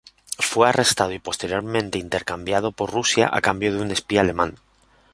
Fue arrestado y posteriormente intercambiado por Rusia a cambio de un espía alemán.